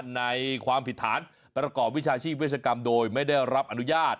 ในความผิดฐานประกอบวิชาชีพเวชกรรมโดยไม่ได้รับอนุญาต